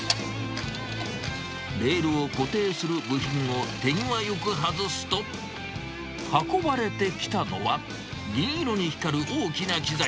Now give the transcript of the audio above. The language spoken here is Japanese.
レールを固定する部品を手際よく外すと、運ばれてきたのは、銀色に光る大きな機材。